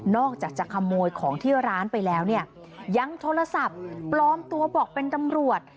อกจากจะขโมยของที่ร้านไปแล้วเนี่ยยังโทรศัพท์ปลอมตัวบอกเป็นตำรวจ